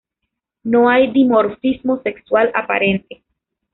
No hay dimorfismo sexual aparente.